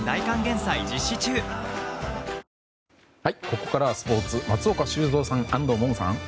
ここからはスポーツ松岡修造さん、安藤萌々さん。